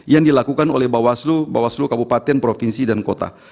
yang dilakukan oleh bawaslu bawaslu kabupaten provinsi dan kota